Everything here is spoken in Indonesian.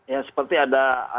ya seperti ada